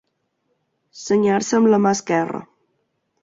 Senyar-se amb la mà esquerra.